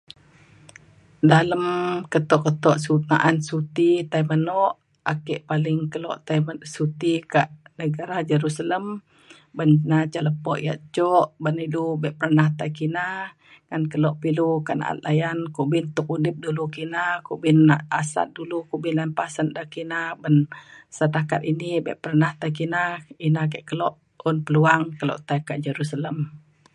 Dalem keto keto sut- na’an suti tai meno ake paling kelo tai suti kak negara Jerusalem ban na ca lepo yak jok ban ilu be pernah tai kina ngan kelo pa ilu kak na’at layan kumbin tuk udip dulu kina kumbin asat dulu kumbin paset ida kina ban setakat ini be pernah tai kina ina ke kelo un peluang kelo tai kak Jerusalem.